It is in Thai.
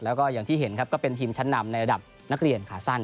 แล้วก็อย่างที่เห็นครับก็เป็นทีมชั้นนำในระดับนักเรียนขาสั้น